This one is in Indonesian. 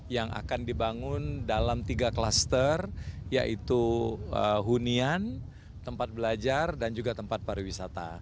yang akan dibangun dalam tiga klaster yaitu hunian tempat belajar dan juga tempat pariwisata